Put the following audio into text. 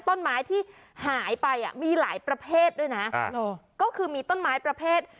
ต้นไม้ที่หายไปอ่ะมีหลายประเภทด้วยนะก็คือมีต้นไม้ประเภท